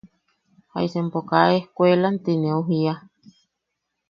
¿Jaisa empo kaa ejkuelaean ti neu jiia?